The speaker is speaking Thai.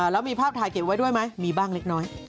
แล้วมีภาพถ่ายเก็บไว้ด้วยไหมมีบ้างเล็กน้อย